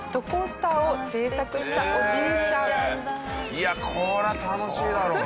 いやこれは楽しいだろうな。